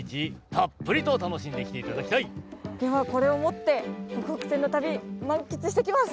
ではこれを持ってほくほく線の旅満喫してきます！